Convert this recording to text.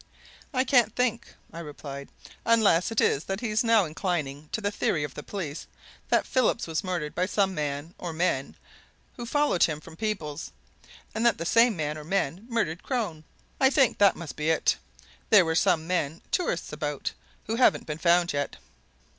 "I can't think," I replied. "Unless it is that he's now inclining to the theory of the police that Phillips was murdered by some man or men who followed him from Peebles, and that the same man or men murdered Crone. I think that must be it: there were some men tourists about, who haven't been found yet."